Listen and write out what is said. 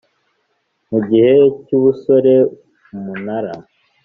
Mu gihe cy ubusore umunara